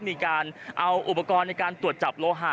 มีการเอาอุปกรณ์ในการตรวจจับโลหะ